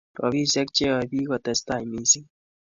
robisiek che yoe biik kotestai mising'